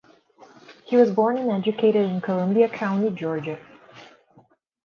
He was born and educated in Columbia County, Georgia.